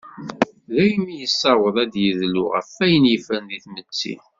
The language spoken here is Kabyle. Daymi yessaweḍ ad d-yedlu ɣef ayen yeffren deg tmetti.